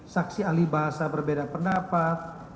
saksi ahli bahasa berbeda pendapat